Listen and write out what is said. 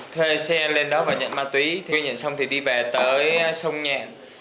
tuy nhiên đó và nhận ma túy quyết nhận xong thì đi về tới sông nhạn